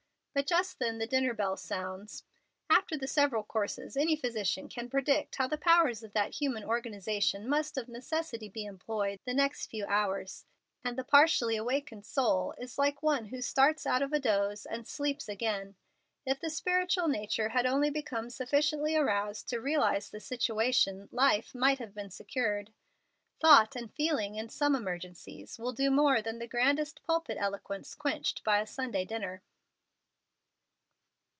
But just then the dinner bell sounds. After the several courses, any physician can predict how the powers of that human organization must of necessity be employed the next few hours, and the partially awakened soul is like one who starts out of a doze and sleeps again. If the spiritual nature had only become sufficiently aroused to realize the situation, life might have been secured. Thought and feeling in some emergencies will do more than the grandest pulpit eloquence quenched by a Sunday dinner.